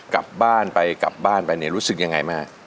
กลับบ้านไปกลับบ้านไปเนี่ยรู้สึกยังไงมาก